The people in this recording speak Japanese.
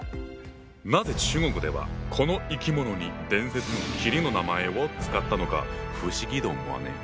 なぜ中国ではこの生き物に伝説の麒麟の名前を使ったのか不思議と思わねえ？